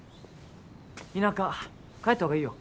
田舎帰った方がいいよ